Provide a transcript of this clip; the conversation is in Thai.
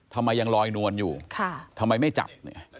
ทำไมยังลอยนวลอยู่ทำไมไม่จับ